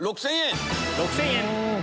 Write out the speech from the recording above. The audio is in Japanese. ６０００円！